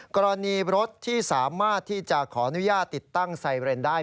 กรณีรถที่สามารถที่จะขออนุญาตติดตั้งไซเรนได้